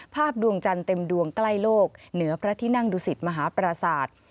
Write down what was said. ดวงจันทร์เต็มดวงใกล้โลกเหนือพระที่นั่งดุสิตมหาปราศาสตร์